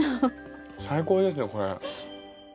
最高ですねこれ。